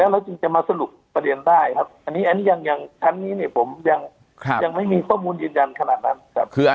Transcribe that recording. เราจึงจะมาสรุปประเด็นได้ครับอันนี้เนี่ยผมยังไม่มีข้อมูลยืนยันขนาดนั้นครับ